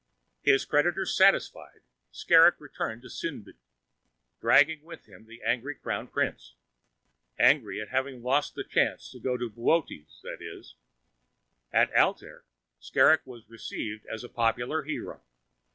His creditors satisfied, Skrrgck returned to Sknnbt, dragging with him an angry Crown Prince angry at having lost the chance to go to Boötes, that is. At Altair, Skrrgck was received as a popular hero.